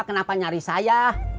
kenapa nyari saya